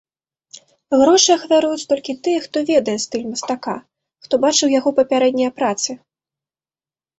Грошы ахвяруюць толькі тыя, хто ведае стыль мастака, хто бачыў яго папярэднія працы.